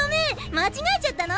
間違えちゃったの！